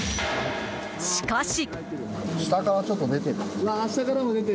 しかし。